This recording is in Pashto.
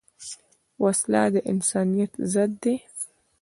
وسله د انسانیت ضد ده